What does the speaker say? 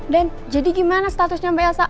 jadi gimana statusnya mbak elsa